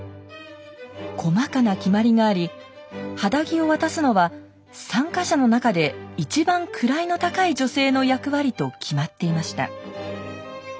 細かな決まりがあり肌着を渡すのは参加者の中でいちばん位の高い女性の役割と決まっていました。